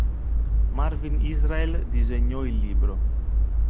Marvin Israel disegnò il libro.